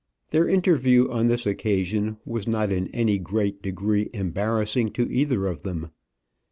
Their interview on this occasion was not in any great degree embarrassing to either of them.